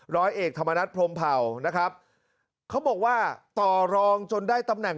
ร้อยเอกธรรมนัฐพรมเผ่านะครับเขาบอกว่าต่อรองจนได้ตำแหน่ง